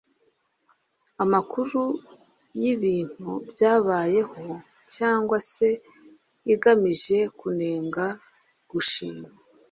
amakuru y’ibintu byabayeho cyangwa se igamije kunenga, gushima